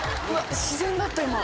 自然だった今。